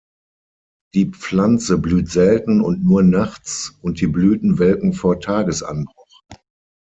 Die Pflanze blüht selten und nur nachts, und die Blüten welken vor Tagesanbruch.